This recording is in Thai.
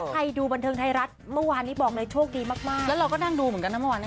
ใครดูบันเทิงไทยรัฐเมื่อวานนี้บอกเลยโชคดีมากแล้วเราก็นั่งดูเหมือนกันนะเมื่อวาน